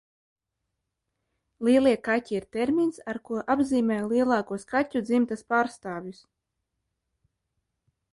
Lielie kaķi ir termins, ar ko apzīmē lielākos kaķu dzimtas pārstāvjus.